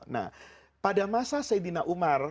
nah pada masa sayyidina umar